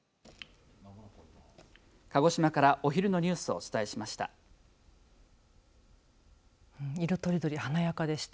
鹿児島から、お昼のニュースをお伝えしました。